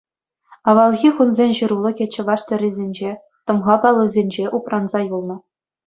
Авалхи хунсен ҫырулӑхӗ чӑваш тӗррисенче, тӑмха паллисенче упранса юлнӑ.